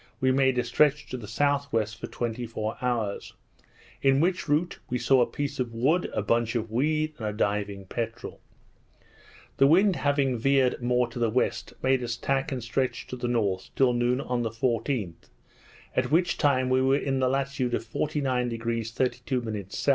we made a stretch to the S.W. for twenty four hours; in which route we saw a piece of wood, a bunch of weed, and a diving peterel. The wind having veered more to the west, made us tack and stretch to the north till noon on the 14th, at which time we were in the latitude of 49° 32' S.